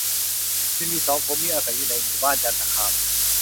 ยังมีสองผัวเมียอาศัยอยู่ในหมู่บ้านจันทคาม